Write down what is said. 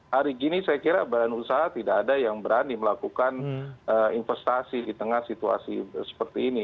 hari gini saya kira badan usaha tidak ada yang berani melakukan investasi di tengah situasi seperti ini